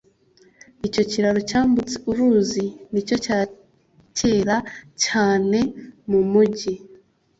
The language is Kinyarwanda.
Icyo kiraro cyambutse uru ruzi nicyo cyakera cyane mumujyi